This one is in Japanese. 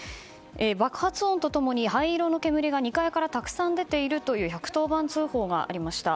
爆発音と共に灰色の煙が２階からたくさん出ているという１１０番通報がありました。